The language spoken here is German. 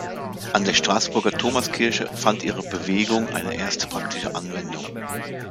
An der Straßburger Thomaskirche fand ihre Bewegung eine erste praktische Anwendung.